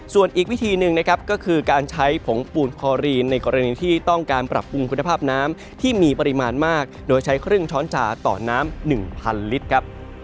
ส่วนอีกวิธีหนึ่งนะครับก็คือการใช้ผงปูนคอรีนในกรณีที่ต้องการปรับปรุงคุณภาพน้ำที่มีปริมาณมากโดยใช้ครึ่งช้อนจาต่อน้ำ๑๐๐ลิตรครับ